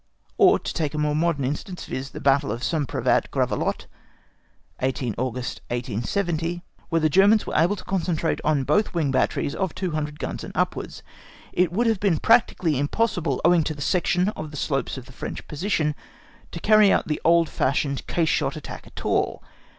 Or, to take a more modern instance, viz., the battle of St. Privat Gravelotte, August 18, 1870, where the Germans were able to concentrate on both wings batteries of two hundred guns and upwards, it would have been practically impossible, owing to the section of the slopes of the French position, to carry out the old fashioned case shot attack at all.